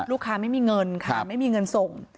ไม่มีเงินค่ะไม่มีเงินส่ง